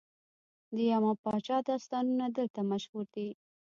د یما پاچا داستانونه دلته مشهور دي